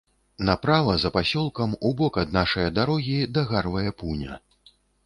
Направа за пасёлкам, убок ад нашае дарогі, дагарвае пуня.